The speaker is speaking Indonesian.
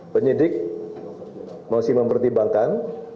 penyidik masih mempertimbangkan